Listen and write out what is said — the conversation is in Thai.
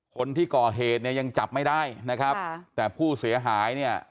คนที่ก่อเหตุเนี่ยยังจับไม่ได้นะครับค่ะแต่ผู้เสียหายเนี่ย